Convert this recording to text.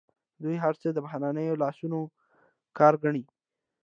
دوی هر څه د بهرنیو لاسونو کار ګڼي.